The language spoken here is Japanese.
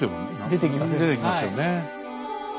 出てきますよね。